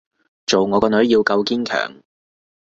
做我個女要夠堅強